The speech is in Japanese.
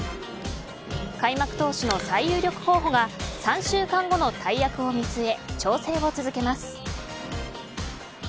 開幕投手の最有力候補が３週間後の大役を見据え調整を続けます。